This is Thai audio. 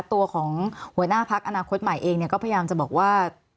ตัวของหัวหน้าพักอนาคตใหม่เองก็พยายามจะบอกว่า